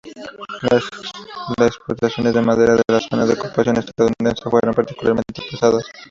Las exportaciones de madera de la zona de ocupación estadounidense fueron particularmente pesadas.